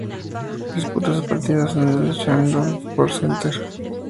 Disputa sus partidos en el "Shandong Sports Center".